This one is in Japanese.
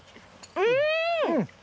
うん！